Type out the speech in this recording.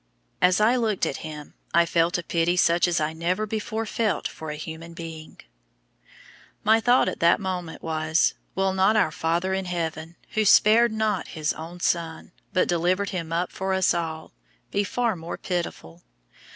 As I looked at him, I felt a pity such as I never before felt for a human being. My thought at the moment was, Will not our Father in heaven, "who spared not His own Son, but delivered Him up for us all," be far more pitiful?